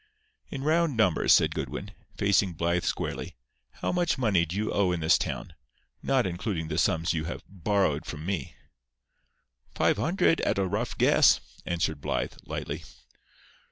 "In round numbers," said Goodwin, facing Blythe squarely, "how much money do you owe in this town, not including the sums you have 'borrowed' from me?" "Five hundred—at a rough guess," answered Blythe, lightly.